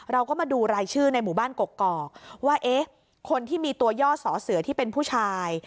เราก็มาดูรายชื่อในหมู่บ้านกกอกว่าเอ๊ะคนที่มีตัวย่อสอเสือที่เป็นผู้ชาย